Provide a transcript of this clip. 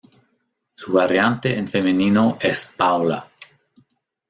Su variante en femenino es Paula.